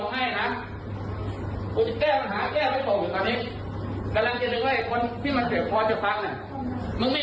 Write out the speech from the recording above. มึงไม่เรียนให้ฟังกูดูสันแล้ววีฟองเล่นโทรศัพท์